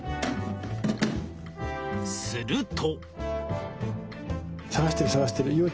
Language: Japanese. すると。